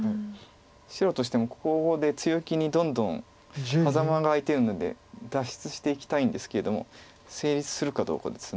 白としてもここで強気にどんどんハザマが空いてるので脱出していきたいんですけれども成立するかどうかです。